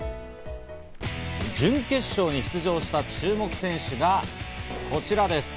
準決勝に出場した注目の選手がこちらです。